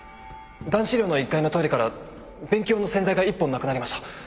男子寮の１階のトイレから便器用の洗剤が１本なくなりました。